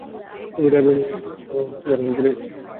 Lorry driver union নির্বাচনের জন্য কেবলমাত্র তুই আর আমি পড়ে আছি।